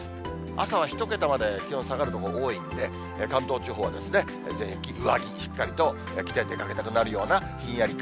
朝は１桁まで気温下がる所多いんで、関東地方は全域、上着しっかりと着て出かけたくなるようなひんやり感。